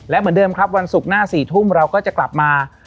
และเหมือนเดิมครับวันศุกร์หน้า๔ทุ่มเราก็จะกลับมา